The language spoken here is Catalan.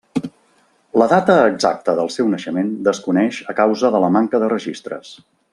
La data exacta del seu naixement desconeix a causa de la manca de registres.